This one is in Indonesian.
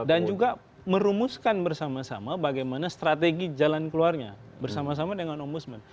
dan juga merumuskan bersama sama bagaimana strategi jalan keluarnya bersama sama dengan ombudsman